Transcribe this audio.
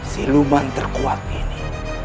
si luman terkuat ini